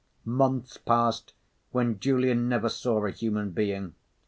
Months passed when Julian never saw a human being.